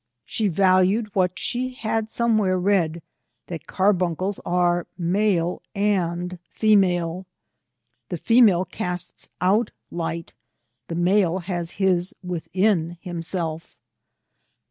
She valued what she had somewhere read, that car buncles are male and female. The female casts out light, the male has his within himself.